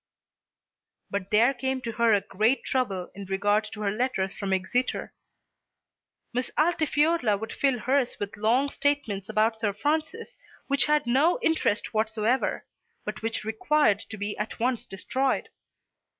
But there came to her a great trouble in regard to her letters from Exeter. Miss Altifiorla would fill hers with long statements about Sir Francis which had no interest whatsoever, but which required to be at once destroyed.